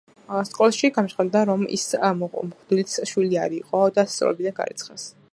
სკოლაში გამჟღავნდა, რომ ის მღვდლის შვილი არ იყო და სასწავლებლიდან გარიცხეს.